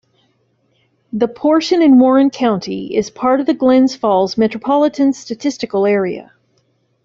The portion in Warren County is part of the Glens Falls Metropolitan Statistical Area.